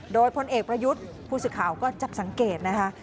โดยพลเอกประยุทธ์ผู้สื่อข่าวก็จับสังเกตนะคะ